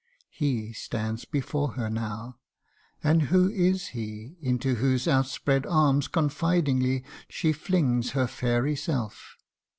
He stands before her now and who is he Into whose outspread arms confidingly She flings her fairy self?